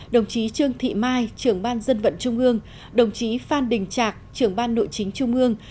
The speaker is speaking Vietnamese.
đồng chí trương thị mai trưởng ban dân vận trung ương đồng chí phan đình trạc trưởng ban nội chính trung ương